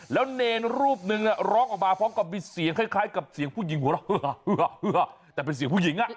แล้วเนรูปนึงร้องออกมาพร้อมกับมีเสียงคล้ายกับเสียงผู้หญิง